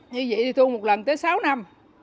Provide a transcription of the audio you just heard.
như vậy thì thu một lần tới sáu năm